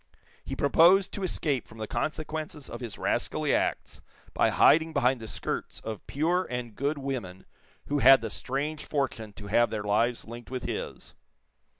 He proposed to escape from the consequences of his rascally acts by hiding behind the skirts of pure and good women who had the strange fortune to have their lives linked with his.